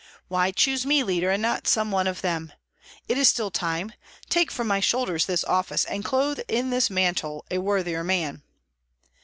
Why choose me leader, and not some one of them? It is still time. Take from my shoulders this office, and clothe in this mantle a worthier man!"